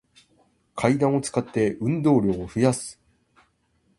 階段を使って、運動量を増やす